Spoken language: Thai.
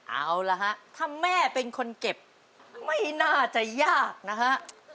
เอาละฮะถ้าแม่เป็นคนเก็บไม่น่าจะยากนะฮะ